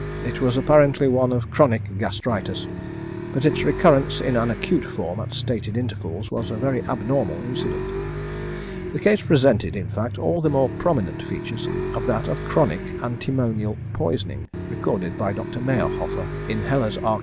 It was apparently one of chronic gastritis; but its recurrence in an acute form at stated intervals was a very abnormal incident. The case presented, in fact, all the more prominent features of that of chronic antimonial poisoning recorded by Dr. Mayerhofer in Heller's Archiv.